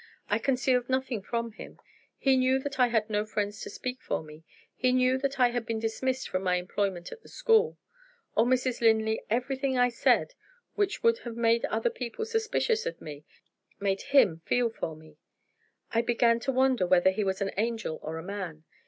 I concealed nothing from him. He knew that I had no friends to speak for me; he knew that I had been dismissed from my employment at the school. Oh, Mrs. Linley, everything I said which would have made other people suspicious of me made him feel for me! I began to wonder whether he was an angel or a man.